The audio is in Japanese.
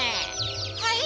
はい。